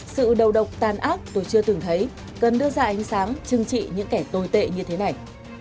sự đầu độc tàn ác tôi chưa từng thấy cần đưa ra ánh sáng chừng trị những kẻ tồi tệ như thế này